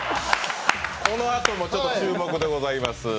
このあとも注目でございます。